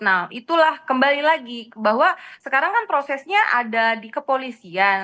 nah itulah kembali lagi bahwa sekarang kan prosesnya ada di kepolisian